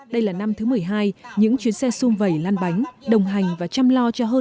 đây là năm thứ một mươi hai những chuyến xe xung vầy lan bánh đồng hành và chăm lo